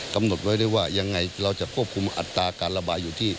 กำหนดไว้ได้ว่ายังไงเราจะควบคุมอัตราการระบายอยู่ที่